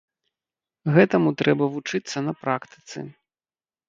Гэтаму трэба вучыцца на практыцы.